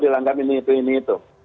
dianggap ini itu ini itu